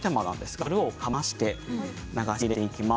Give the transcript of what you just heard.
ざるをかまして流し入れていきます。